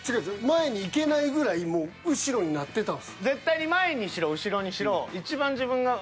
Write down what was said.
前に行けないぐらいもう後ろになってたんです。